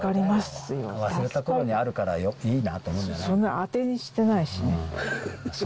忘れたころにあるからいいなそんな当てにしてないしね。